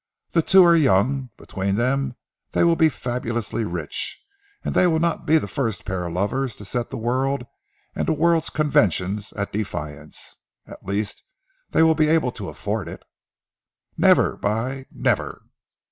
The two are young, between them they will be fabulously rich and they will not be the first pair of lovers to set the world and the world's conventions at defiance. At least they will be able to afford it!" "Never! by never!"